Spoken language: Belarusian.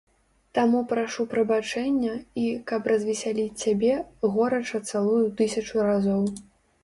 Таму прашу прабачэння і, каб развесяліць цябе, горача цалую тысячу разоў.